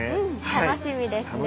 楽しみですね。